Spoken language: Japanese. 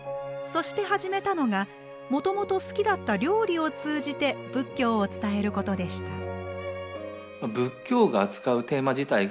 そして始めたのがもともと好きだった料理を通じて仏教を伝えることでした。